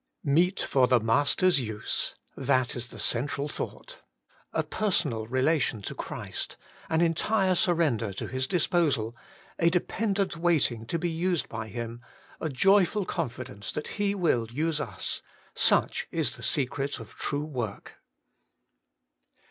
1. * Meet for the Master's use,' that is the cen tral thought. A personal relation to Christ, an entire surrender to His disposal, a dependent waiting to be used by Him, a joyful confidence that He will use us — such is the secret of true work.